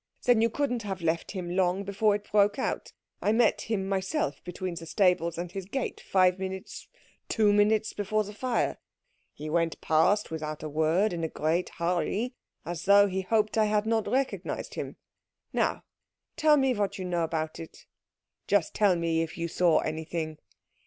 "Then you couldn't have left him long before it broke out. I met him myself between the stables and his gate five minutes, two minutes, before the fire. He went past without a word, in a great hurry, as though he hoped I had not recognised him. Now tell me what you know about it. Just tell me if you saw anything.